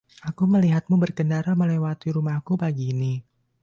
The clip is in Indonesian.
Aku melihatmu berkendara melewati rumahku pagi ini.